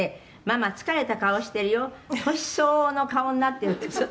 「“ママ疲れた顔してるよ年相応の顔になってる”って」